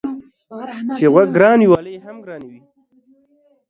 چي غوږ گران وي والى يې هم گران وي.